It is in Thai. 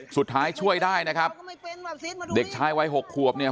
สุดท้ายช่วยได้นะครับเด็กชายวัย๖ขวบเนี่ย